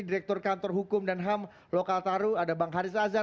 direktur kantor hukum dan ham lokal taru ada bang haris azhar